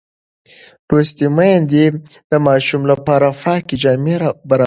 لوستې میندې د ماشوم لپاره پاکې جامې برابروي.